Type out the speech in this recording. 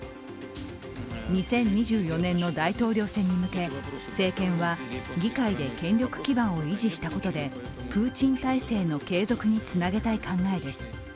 ２０２４年の大統領選に向け、政権は議会で権力基盤を維持したことでプーチン体制の継続につなげたい考えです。